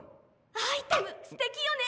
アイテムすてきよね？